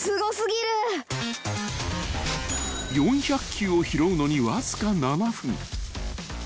［４００球を拾うのにわずか７分］